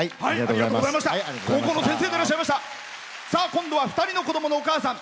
今度は２人の子どものお母さん。